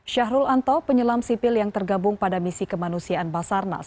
syahrul anto penyelam sipil yang tergabung pada misi kemanusiaan basarnas